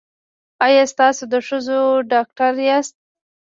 ایا تاسو د ښځو ډاکټر یاست؟